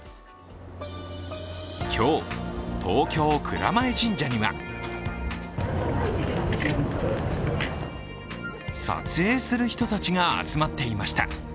今日、東京・蔵前神社には撮影する人たちが集まっていました。